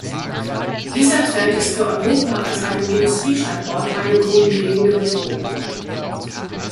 Dieser Trend ist für Europa als einem Industriestandort eine grundlegende Bedrohung.